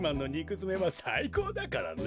づめはさいこうだからな。